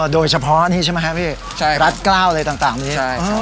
โดยเฉพาะนี่ใช่ไหมฮะพี่ใช่ครับรัสกล้าวอะไรต่างต่างใช่